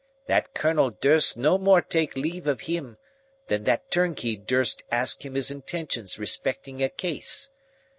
That Colonel durst no more take leave of him, than that turnkey durst ask him his intentions respecting a case.